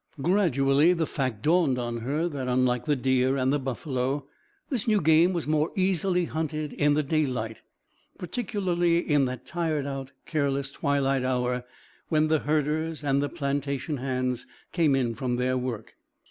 Gradually the fact dawned on her that unlike the deer and the buffalo, this new game was more easily hunted in the daylight particularly in that tired out, careless twilight hour when the herders and the plantation hands came in from their work.